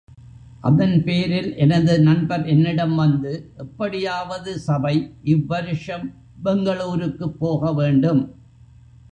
அதன்பேரில் எனது நண்பர் என்னிடம் வந்து, எப்படியாவது சபை இவ்வருஷம் பெங்களூருக்குப் போக வேண்டும்.